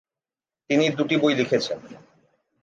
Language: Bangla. তিনি দুটি বই লিখেছেন।